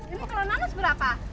ini kalau nanas berapa